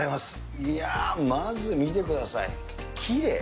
いやあ、まず見てください、きれい。